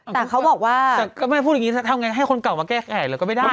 แต่เขาบอกว่าแต่ก็ไม่พูดอย่างนี้ทำไงให้คนเก่ามาแก้ไขเลยก็ไม่ได้